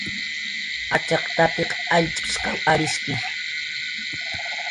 "Achak tatiq allchp""shq arishki"